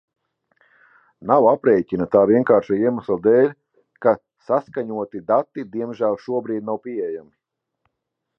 Nav aprēķina tā vienkāršā iemesla dēļ, ka saskaņoti dati diemžēl šobrīd nav pieejami.